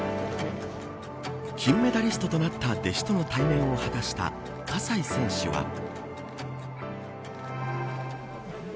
金メダリストとなった弟子との対面を果たした葛西選手は。